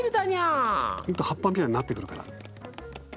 葉っぱみたいになってくるから。